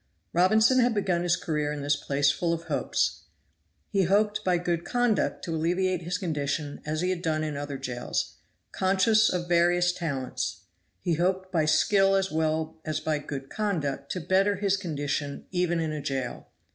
Robinson had begun his career in this place full of hopes. He hoped by good conduct to alleviate his condition as he had done in other jails; conscious of various talents, he hoped by skill as well as by good conduct to better his condition even in a jail.